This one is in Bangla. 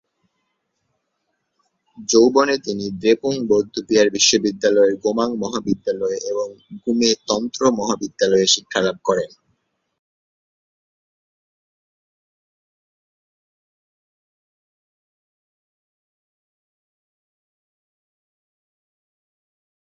যৌবনে তিনি দ্রেপুং বৌদ্ধবিহার বিশ্ববিদ্যালয়ের গোমাং মহাবিদ্যালয়ে এবং গ্যুমে তন্ত্র মহাবিদ্যালয়ে শিক্ষালাভ করেন।